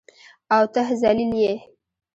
او ته ذلیل یې.